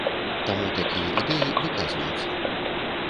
Таму такія ідэі выказваюцца.